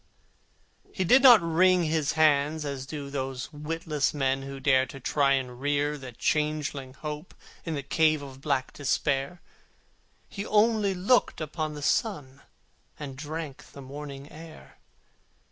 He did not wring his hands, as do Those witless men who dare To try to rear the changeling Hope In the cave of black Despair: He only looked upon the sun, And drank the morning air.